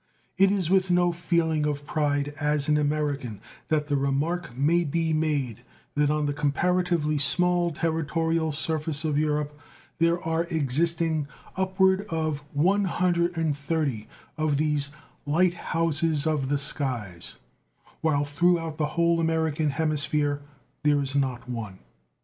It is with no feeling of pride as an American that the remark may be made that on the comparatively small territorial surface of Europe there are existing upward of 130 of these light houses of the skies, while throughout the whole American hemisphere there is not one.